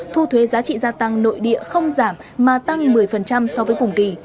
thu thuế giá trị gia tăng nội địa không giảm mà tăng một mươi so với cùng kỳ